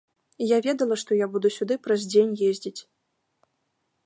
Я ведала, што я буду сюды праз дзень ездзіць.